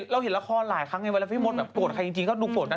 เราเห็นละครหลายครั้งไงเวลาพี่มดแบบโกรธใครจริงก็ดูโกรธนะ